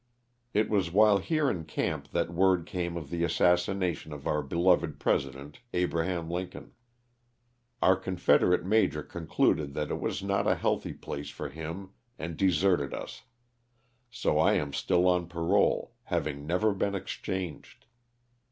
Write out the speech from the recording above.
It was while here in camp that word came of the assassination of our beloved president, Abraham Lincoln. Our Confederate major concluded that it was not a healthy place for him and deserted us — so I am still on parole, having never been exchanged.